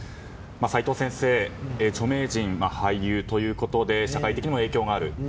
齋藤先生、著名人俳優ということで社会的にも影響がある。